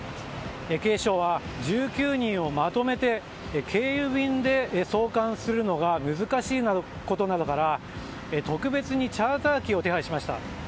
警視庁は１９人をまとめて経由便で送還するのが難しいことなどから、特別にチャーター機を手配しました。